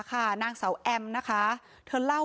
พนักงานในร้าน